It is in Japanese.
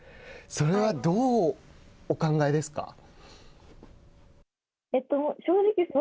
それはどうお考えですか。